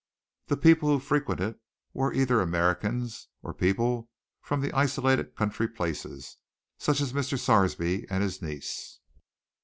The people who frequented it were either Americans, or people from the isolated country places, such as Mr. Sarsby and his niece.